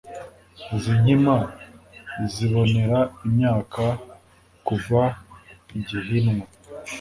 izi nkima zibonera imyaka kuva igihinwa